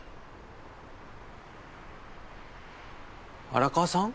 荒川さん？